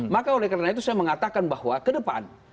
maka oleh karena itu saya mengatakan bahwa ke depan